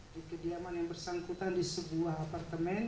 di kediaman yang bersangkutan di sebuah apartemen